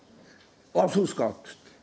「あっそうですか」っつって。